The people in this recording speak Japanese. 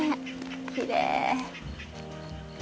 きれい。